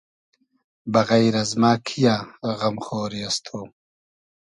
بئغݷر از مۂ کی یۂ غئم خۉری از تو